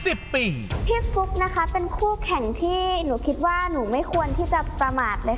พี่ฟุ๊กนะคะเป็นคู่แข่งที่หนูคิดว่าหนูไม่ควรที่จะประมาทเลยค่ะ